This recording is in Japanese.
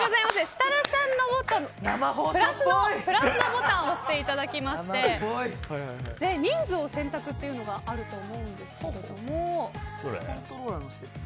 設楽さんのプラスのボタンを押していただきまして人数を選択というのがあると思うんですが。